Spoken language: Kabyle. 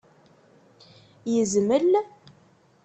Yezmel?